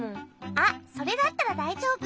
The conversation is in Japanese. あっそれだったらだいじょうぶ。